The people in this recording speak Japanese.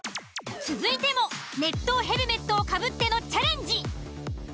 ［続いても熱湯ヘルメットをかぶってのチャレンジ］